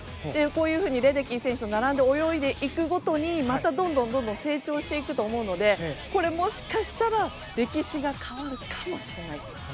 こういうふうにレデッキー選手と並んで泳いでいくごとにまたどんどん成長していくと思うのでもしかしたら歴史が変わるかもしれない。